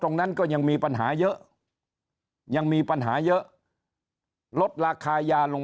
ตรงนั้นก็ยังมีปัญหาเยอะยังมีปัญหาเยอะลดราคายาลง